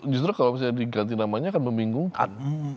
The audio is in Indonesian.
justru kalau misalnya diganti namanya akan membingungkan